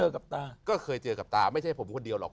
กับตาก็เคยเจอกับตาไม่ใช่ผมคนเดียวหรอก